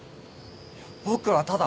僕はただ。